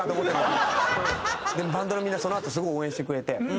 でもバンドのみんなそのあとすごい応援してくれて。